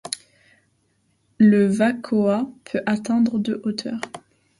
Le vacoa peut atteindre de hauteur.